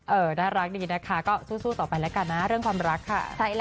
น่ารักดีนะคะก็สู้ต่อไปแล้วกันนะเรื่องความรักค่ะ